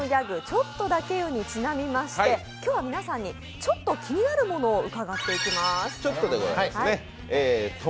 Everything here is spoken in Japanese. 「ちょっとだけよ」にちなんで今日は皆さんに、ちょっと気になるものを伺っていきます。